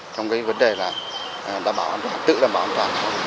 trong cái vấn đề là đảm bảo an toàn tự đảm bảo an toàn